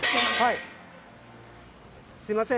はい。